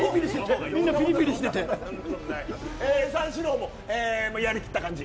三四郎もやりきった感じ。